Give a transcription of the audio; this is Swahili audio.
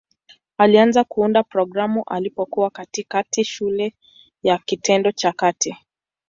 Alianza kuunda programu alipokuwa katikati shule ya kitengo cha kati.